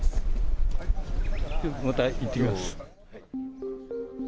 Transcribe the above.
また行ってきます。